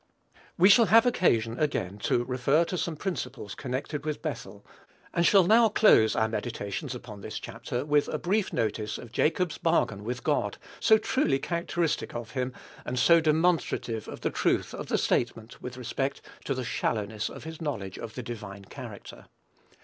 We shall have occasion, again, to refer to some principles connected with Bethel; and shall now close our meditations upon this chapter with a brief notice of Jacob's bargain with God, so truly characteristic of him, and so demonstrative of the truth of the statement with respect to the shallowness of his knowledge of the divine character.